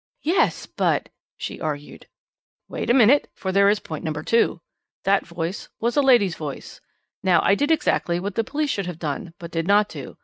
'" "Yes but " she argued. "Wait a moment, for there is point number two. That voice was a lady's voice. Now, I did exactly what the police should have done, but did not do.